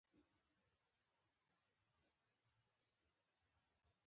رومیان له پیاز پرته هم خوند لري